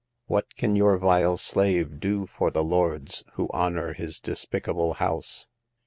" What can your vile slave do for the lords who honor his despicable house